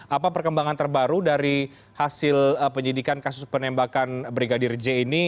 apa perkembangan terbaru dari hasil penyidikan kasus penembakan brigadir j ini